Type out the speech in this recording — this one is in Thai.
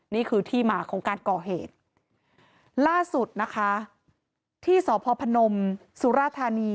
นี่คือที่มาของการก่อเหตุล่าสุดนะคะที่สพพนมสุราธานี